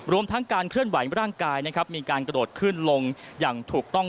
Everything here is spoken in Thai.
รวมทั้งการเคลื่อนไหวร่างกายนะครับมีการกระโดดขึ้นลงอย่างถูกต้อง